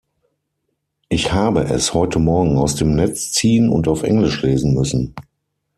Ich habe es heute Morgen aus dem Netz ziehen und auf Englisch lesen müssen.